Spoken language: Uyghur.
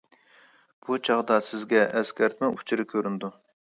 بۇ چاغدا سىزگە ئەسكەرتمە ئۇچۇرى كۆرۈنىدۇ.